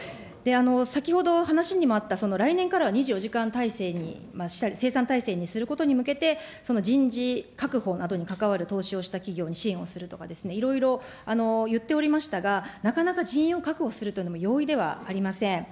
先ほど話にもあった、来年からは２４時間態勢にしたり、生産体制にすることに向けて、人事確保などに関わる投資をした企業に支援をするとかですね、いろいろ言っておりましたが、なかなか人員を確保するというのも、容易ではありません。